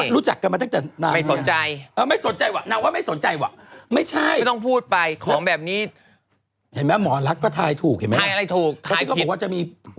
รู้จักกันมาตั้งแต่นาน